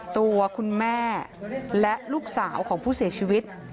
ตัวคุณแม่และลูกสาวของผู้เสียชีวิต